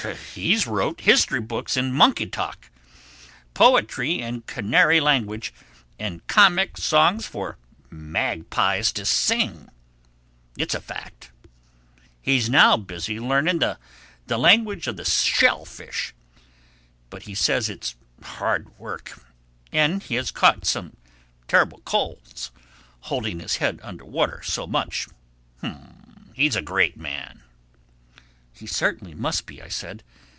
He's wrote history books in monkey talk, poetry in canary language and comic songs for magpies to sing. It's a fact. He's now busy learning the language of the shellfish. But he says it's hard work—and he has caught some terrible colds, holding his head under water so much. He's a great man." "He certainly must be," I said.